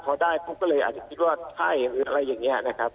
พอได้ปุ๊บก็เลยอาจจะคิดว่าใช่หรืออะไรอย่างนี้นะครับ